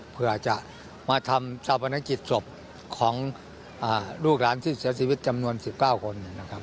เผื่อจะมาทำสรรพนักจิตศพของลูกหลานที่เสียชีวิตจำนวน๑๙คน